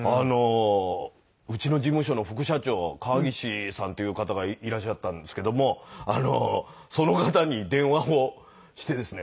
うちの事務所の副社長川岸さんっていう方がいらっしゃったんですけどもその方に電話をしてですね